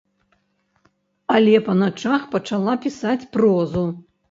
Але па начах пачала пісаць прозу.